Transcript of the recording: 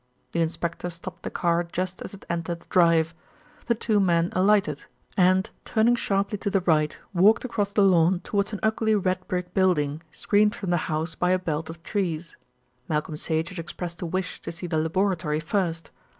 The inspector stopped the car just as it entered the drive. The two men alighted and, turning sharply to the right, walked across the lawn towards an ugly red brick building, screened from the house by a belt of trees. Malcolm Sage had expressed a wish to see the laboratory first.